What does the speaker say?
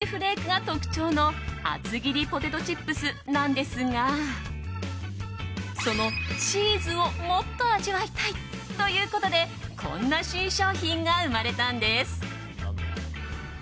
スパイスが効いたピザソースと何といっても濃厚なチーズ味フレークが特徴の厚切りポテトチップスなんですがそのチーズをもっと味わいたい！ということでこんな新商品が生まれたんです。